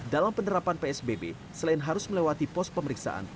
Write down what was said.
dalam penerapan psbb selain harus melewati pos pemeriksaan